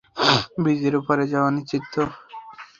ব্রীজের ওপারে যাওনি নিশ্চিত তো?